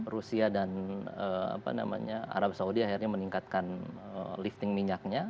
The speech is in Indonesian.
rusia dan arab saudi akhirnya meningkatkan lifting minyaknya